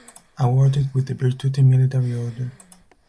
Awarded with the Virtuti Militari Order.